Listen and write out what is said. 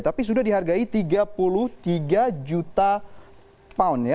tapi sudah dihargai tiga puluh tiga juta pound ya